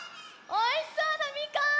おいしそうなみかん！